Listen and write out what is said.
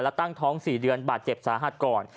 และตั้งท้อง๔เดือนบาดเจ็บสาหัสก่อน